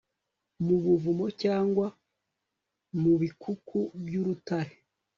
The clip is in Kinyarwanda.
mu buvumo cyangwa mu bikuku by'urutare